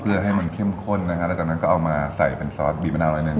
เพื่อให้มันเข้มข้นนะฮะแล้วจากนั้นก็เอามาใส่เป็นซอสบีบมะนาวรอยหนึ่ง